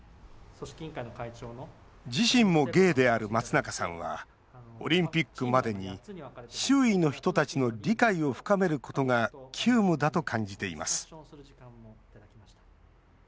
自身もゲイである松中さんはオリンピックまでに周囲の人たちの理解を深めることが急務だと感じています。